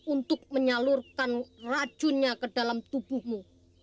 untuk menyalurkan racunnya ke dalam tubuhmu